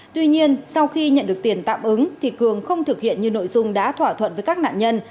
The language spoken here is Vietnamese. tuy nhiên sau khi nhận được tiền tạm ứng thì cường không thực hiện như nội dung đã thỏa thuận với các nạn nhân